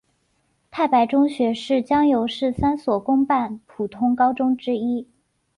太白中学是江油市三所公办普通高中之一。